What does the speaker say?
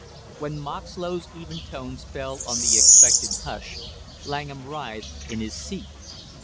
When Moxlow's even tones fell on the expectant hush, Langham writhed in his seat.